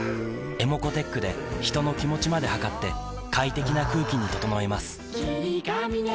ｅｍｏｃｏーｔｅｃｈで人の気持ちまで測って快適な空気に整えます